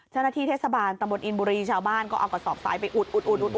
ชนะที่เทศบาลตรรมนฐ์อินบุรีชาวบ้านก็เอากดสอบซ้ายไปอุด